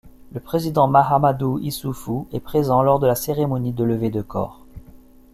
Le président Mahamadou Issoufou est présent lors de la cérémonie de levée de corps.